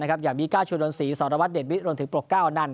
อย่างวิก้าชูดนศรีสารวัฒน์เดชวิทย์รวมถึงปลกเก้านั่น